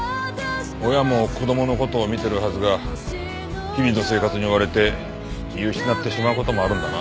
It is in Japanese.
親も子供の事を見ているはずが日々の生活に追われて見失ってしまう事もあるんだな。